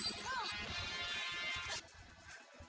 aduh ini tidak baik